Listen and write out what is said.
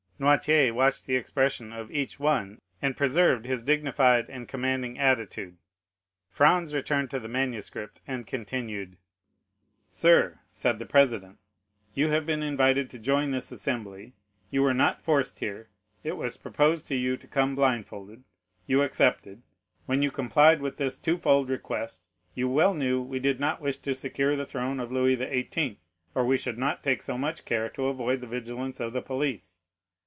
Noirtier watched the expression of each one, and preserved his dignified and commanding attitude. Franz returned to the manuscript, and continued: "'"Sir," said the president, "you have been invited to join this assembly—you were not forced here; it was proposed to you to come blindfolded—you accepted. When you complied with this twofold request you well knew we did not wish to secure the throne of Louis XVIII., or we should not take so much care to avoid the vigilance of the police.